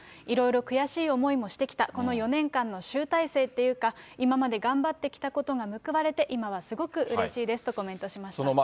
いろいろ悔しい思いをしてきた、この４年間の集大成っていうか、今まで頑張ってきたことが報われて、今はすごくうれしいですとコメントしました。